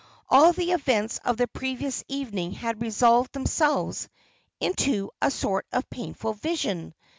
All the events of the previous evening had resolved themselves into a sort of painful vision.